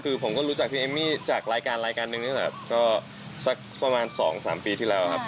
คือผมก็รู้จักพี่เอมมี่จากรายการนึงนะครับก็สักประมาณ๒๓ปีที่แล้วครับ